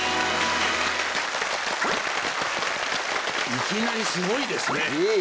いきなりすごいですね！